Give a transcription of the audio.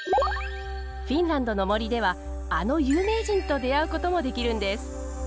フィンランドの森ではあの有名人と出会うこともできるんです。